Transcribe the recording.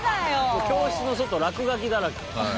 もう教室の外落書きだらけ。